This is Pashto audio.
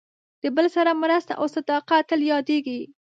د بل سره مرسته او صداقت تل یادېږي.